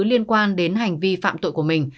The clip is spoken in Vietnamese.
liên quan đến hành vi phạm tội của mình